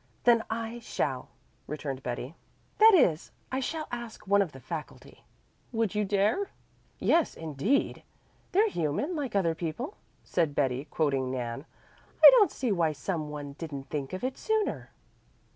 "Then I shall," returned Betty. "That is, I shall ask one of the faculty." "Would you dare?" "Yes, indeed. They're human, like other people," said Betty, quoting Nan. "I don't see why some one didn't think of it sooner."